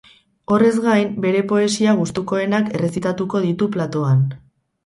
Horrez gain, bere poesia gustukoenak errezitatuko ditu platoan.